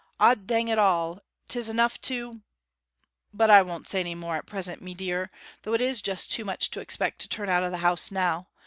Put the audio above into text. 'Od dang it all, 'tis enough to But I won't say any more at present, mee deer, though it is just too much to expect to turn out of the house now.